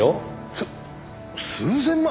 す数千万！？